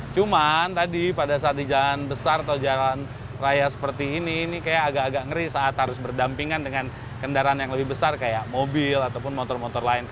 cuman tadi pada saat di jalan besar atau jalan raya seperti ini ini kayak agak agak ngeri saat harus berdampingan dengan kendaraan yang lebih besar kayak mobil ataupun motor motor lainnya